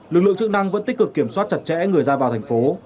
lực lượng chức năng vẫn tích cực kiểm soát chặt chẽ người ra vào thành phố